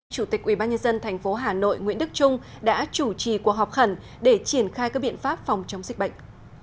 chủ tịch ubnd tp hà nội nguyễn đức trung đã chủ trì cuộc họp khẩn để triển khai các biện pháp phòng chống dịch bệnh